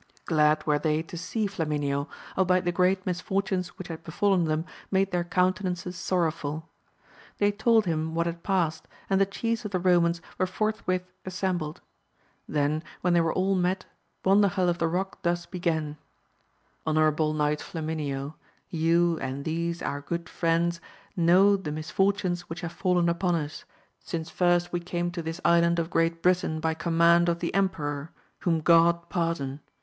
Glad were they to see Flamineo, albeit the great misfortunes which had befallen them made their coun tenances sorrowful. They told him what had past, and the chiefs of the Eomans were forthwith assem bled. Then, when they were ajl met, Brondajel of the Eock thus began : Honourable Knight Flamineo, you, and these our good friends, know the misfortunes which have fallen upon us, since first we came to this Island of Great Britain, by command of the emperor, whom God pardon